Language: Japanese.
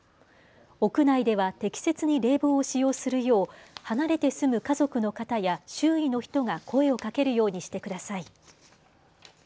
屋内では適切に冷房を使用するよう離れて住む家族の方や周囲の人が声をかけるようにしてください。